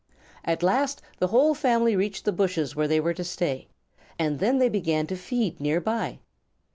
At last, the whole family reached the bushes where they were to stay, and then they began to feed near by.